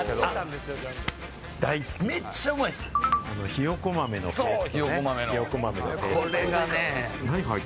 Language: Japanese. ひよこ豆のペーストね。